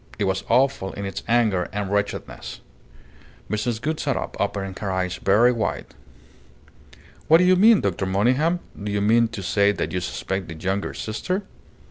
It was awful in its anger and wretchedness." Mrs. Gould sat up, opening her eyes very wide. "What do you mean, Dr. Monygham? Do you mean to say that you suspect the younger sister?"